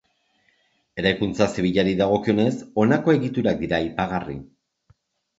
Eraikuntza zibilari dagokionez honako egiturak dira aipagarri.